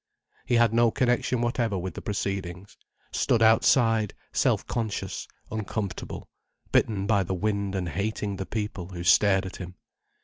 He had no connection whatever with the proceedings—stood outside, self conscious, uncomfortable, bitten by the wind, and hating the people who stared at him.